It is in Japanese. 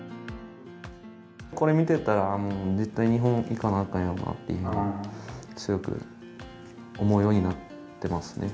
これ見てたら、もう絶対に日本行かなあかんやろなと強く思うようになってますね。